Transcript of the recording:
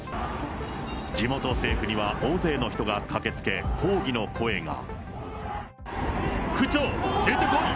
地元政府には大勢の人が駆けつけ、区長、出てこい！